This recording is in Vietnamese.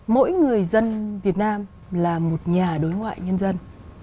mỗi người dân việt nam là một nhà đối ngoại nhân dân